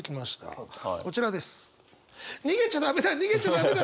こちらです。